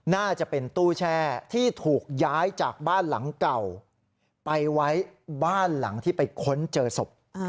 น่าจะเป็นตู้แช่ที่ถูกย้ายจากบ้านหลังเก่าไปไว้บ้านหลังที่ไปค้นเจอศพ